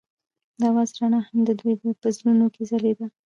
د اواز رڼا هم د دوی په زړونو کې ځلېده.